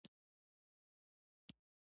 اوس نو بس يوه مسله پاتې شوه چې بايد حل شي.